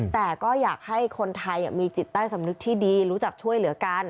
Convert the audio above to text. แต่ก็อยากให้คนไทยมีจิตใต้สำนึกที่ดีรู้จักช่วยเหลือกัน